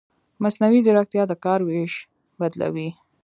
مصنوعي ځیرکتیا د کار وېش بدلوي.